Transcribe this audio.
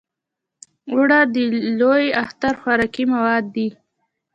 اوړه د لوی اختر خوراکي مواد دي